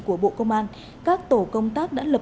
của bộ công an các tổ công tác đã lập